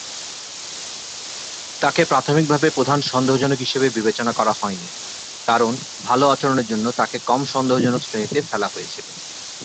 তাকে প্রাথমিকভাবে প্রধান সন্দেহজনক হিসাবে বিবেচনা করা হয়নি, কারণ ভাল আচরণের জন্য তাকে কম সন্দেহজনক শ্রেণীতে ফেলা হয়েছিল।